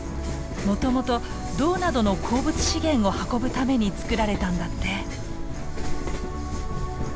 もともと銅などの鉱物資源を運ぶために作られたんだって。